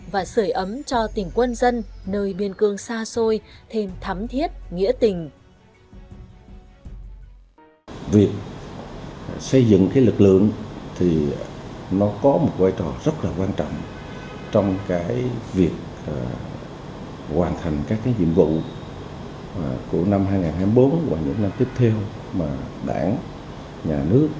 và sởi ấm cho tỉnh quân dân nơi biên cương xa xôi thêm thắm thiết nghĩa tình